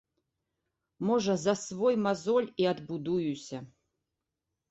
Можа, за свой мазоль і адбудуюся.